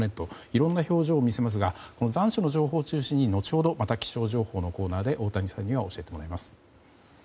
いろいろな表情を見せますが残暑の情報を中心に後ほどまた気象情報のコーナーで太谷さんには教えてもらいます。